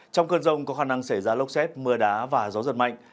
trong cơn rông có khả năng xảy ra lốc xét mưa đá và gió giật mạnh